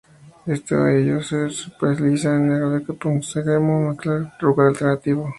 Este sello se especializa en hardcore punk, screamo, metalcore, y rock alternativo.